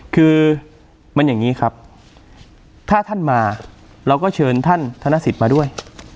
คือมันอย่างนี้ครับถ้าท่านมาเราก็เชิญท่านธนสิทธิ์มาด้วย